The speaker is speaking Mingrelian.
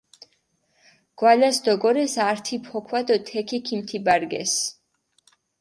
გვალას დოგორეს ართი ფოქვა დო თექი ქიმთიბარგესჷ.